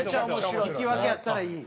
引き分けやったらいい？